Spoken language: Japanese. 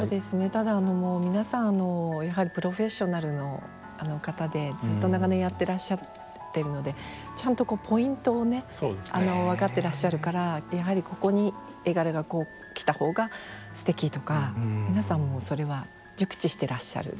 ただ皆さんやはりプロフェッショナルの方でずっと長年やってらっしゃってるのでちゃんとポイントをね分かってらっしゃるからやはりここに絵柄がこうきたほうがすてきとか皆さんもそれは熟知してらっしゃる。